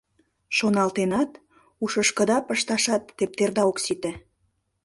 Шоналтенат, ушышкыда пышташат тептерда ок сите.